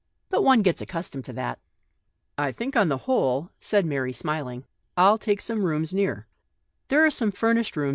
But one gets accus tomed to that." " I think, on the whole," said Mary, smil ing, " I'll take some rooms near, and furnish them.